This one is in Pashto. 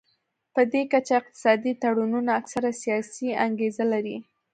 پدې کچه اقتصادي تړونونه اکثره سیاسي انګیزه لري